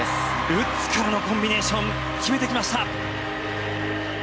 ルッツからのコンビネーション決めてきました！